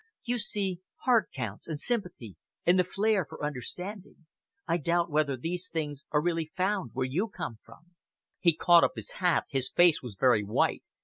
You see, heart counts, and sympathy, and the flair for understanding. I doubt whether these things are really found where you come from." He caught up his hat. His face was very white.